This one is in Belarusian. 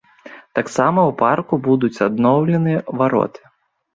Таксама ў парку будуць адноўлены вароты.